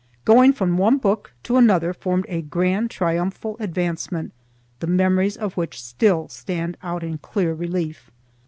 Going from one book to another formed a grand triumphal advancement, the memories of which still stand out in clear relief.